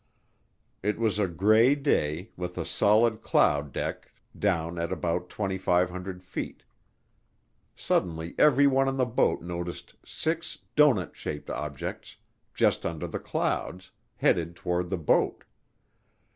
It was a gray day, with a solid cloud deck down at about 2,500 feet. Suddenly everyone on the boat noticed six "doughnut shaped" objects, just under the clouds, headed toward the boat.